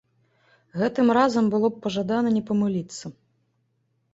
Гэтым разам было б пажадана не памыліцца.